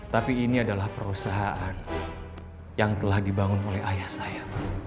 tapi ini adalah perusahaan yang telah dibangun oleh ayah saya